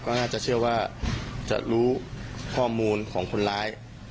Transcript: ก็น่าจะเชื่อว่าจะรู้ข้อมูลของคนร้าย